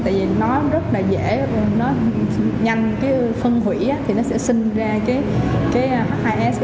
tại vì nó rất là dễ nó nhanh cái phân hủy thì nó sẽ sinh ra cái h hai s